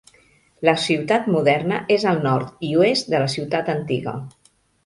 La ciutat moderna és al nord i oest de la ciutat antiga.